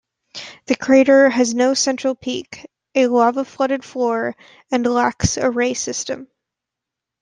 The crater has no central peak, a lava-flooded floor, and lacks a ray system.